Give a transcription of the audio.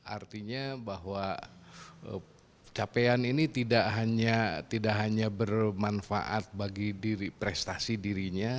artinya bahwa capaian ini tidak hanya bermanfaat bagi prestasi dirinya